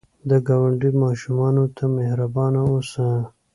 د ګاونډي ماشومانو ته مهربان اوسه